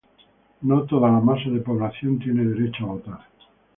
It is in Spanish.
No toda la masa de población tiene derecho a votar.